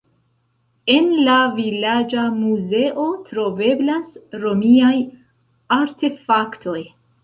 En la vilaĝa muzeo troveblas romiaj artefaktoj.